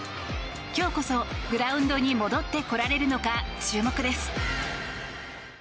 今日こそグラウンドに戻ってこられるのか、注目です。